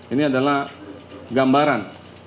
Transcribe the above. ini adalah gambaran